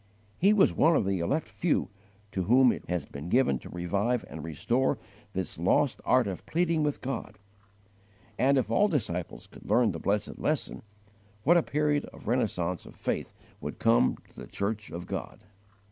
He was one of the elect few to whom it has been given to revive and restore this lost art of pleading with God. And if all disciples could learn the blessed lesson, what a period of renaissance of faith would come to the church of God!